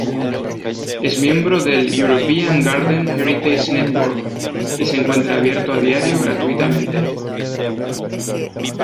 Es miembro del European Garden Heritage Network y se encuentra abierto a diario gratuitamente.